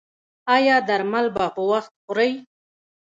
ایا درمل به په وخت خورئ؟